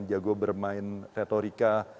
jago bermain retorika